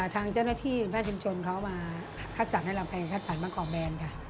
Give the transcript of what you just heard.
ทางเจ้าหน้าที่แม่ชนเขามาคัดสรรให้เราไปคัดสรรบางกรอบแบรนด์ค่ะ